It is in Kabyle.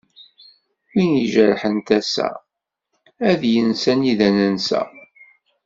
Win ijeṛben tasa, ad yens anida nensa.